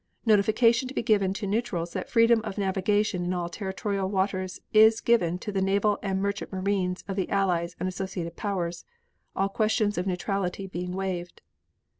Notification to be given to neutrals that freedom of navigation in all territorial waters is given to the naval and merchant marines of the Allied and associate Powers, all questions of neutrality being waived.